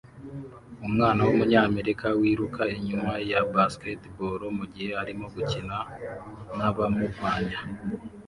Umwana wumunyamerika wiruka inyuma ya basketball mugihe arimo gukina nabamurwanya